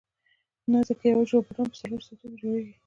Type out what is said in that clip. نه ځکه یوه جوړه بوټان په څلورو ساعتونو جوړیږي.